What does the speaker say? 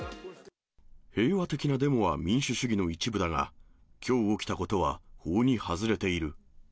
平和的なデモは民主主義の一部だが、きょう起きたことは法に外れている。